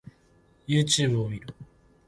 Youtube を見る